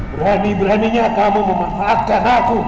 berani beraninya kamu memanfaatkan aku